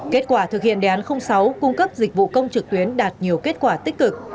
kết quả thực hiện đề án sáu cung cấp dịch vụ công trực tuyến đạt nhiều kết quả tích cực